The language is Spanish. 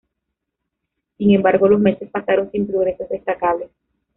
Sin embargo los meses pasaron sin progresos destacables.